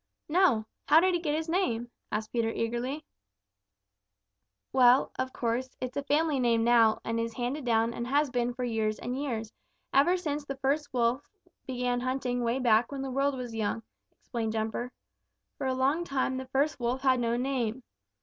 "No. How did he get his name?" asked Peter eagerly. "Well, of course it's a family name now and is handed down and has been for years and years, ever since the first Wolf began hunting way back when the world was young," explained Jumper. "For a long time the first Wolf had no name.